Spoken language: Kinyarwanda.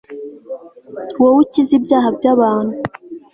wow'ukiz'ibyaha by'abantu